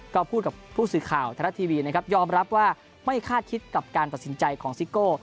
ก็พูดกับผู้สื่อข่าวไทยรัฐทีวีนะครับยอมรับว่าไม่คาดคิดกับการตัดสินใจของซิโก้